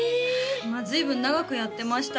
まあ随分長くやってましたよね